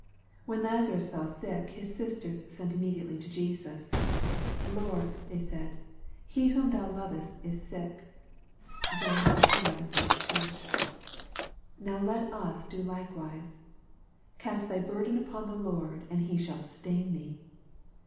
When Lazarus fell sick, his sisters sent immediately to Jesus : "Lord," they said, "he whom thou lovest is sick." (John xi. 2.) Now let us do likewise. " Cast thy burden upon the Lord, and he shall sustain thee."